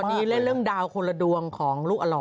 อันนี้เล่นเรื่องดาวคนละดวงของลูกอล่อ